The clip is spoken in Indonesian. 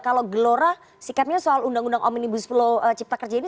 kalau gelora sikapnya soal undang undang omnibus law cipta kerja ini